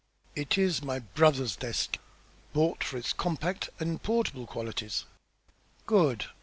"It is my brother's desk; bought for its compact and portable qualities." "Good!